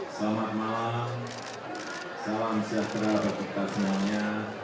selamat malam salam sejahtera bagi kita semuanya